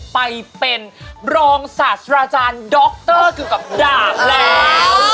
ไปเป็นรองสัตว์ราชาณดรกับดาบแล้ว